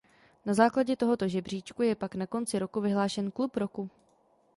Na základě tohoto žebříčku je pak na konci roku vyhlášen Klub roku.